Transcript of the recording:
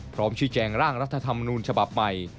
พร้อมชี้แจงร่างรัฐธรรมนูญฉบับใหม่